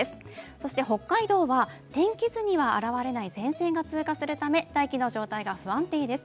そして北海道は天気図には現れない前線が通過するため大気の状態が不安定です。